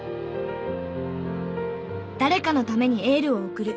誰かのためにエールを送る。